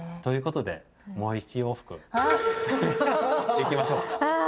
いきましょう。